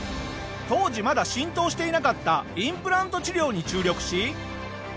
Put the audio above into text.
当時まだ浸透していなかったインプラント治療に注力し。